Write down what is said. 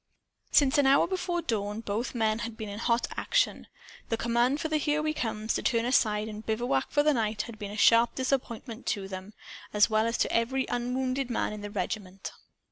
Since an hour before dawn, both men had been in hot action. The command for the "Here We Comes" to turn aside and bivouac for the night had been a sharp disappointment to them, as well as to every unwounded man in the regiment.